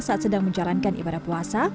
saat sedang menjalankan ibadah puasa